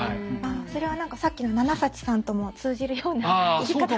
それは何かさっきのナナ・サチさんとも通じるような生き方かな。